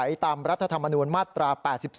วินิจฉัยตามรัฐธรรมนูญมาตรา๘๒